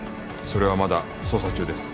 それはまだ捜査中です。